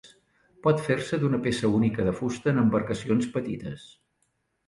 Pot fer-se d’una peça única de fusta en embarcacions petites.